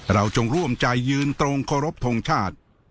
เราจงร่วมใจยืนตรงโครบทรงชาติ